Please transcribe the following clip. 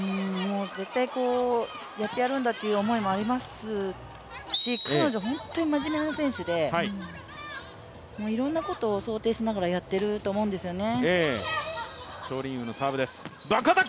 絶対やってやるんだという思いもありますし、彼女、本当にまじめな選手でいろいろなことを想定しながらやっていると思うんですよね。